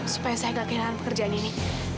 supaya saya tidak kehilangan pekerjaan ini